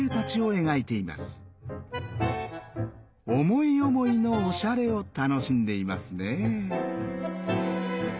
思い思いのおしゃれを楽しんでいますね。